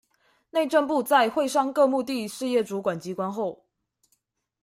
內政部在會商各目的事業主管機關後